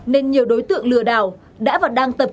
nên nhiều đối tượng lừa đảo đã vào đăng tập